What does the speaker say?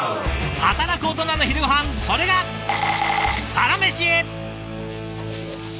働くオトナの昼ごはんそれが「サラメシ」！